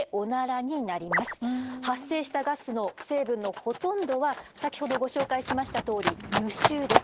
発生したガスの成分のほとんどは先ほどご紹介しましたとおり無臭です。